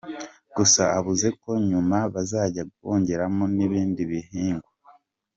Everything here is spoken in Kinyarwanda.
Gusa bavuze ko nyuma bazajya bongeramo n’ibindi bihingwa.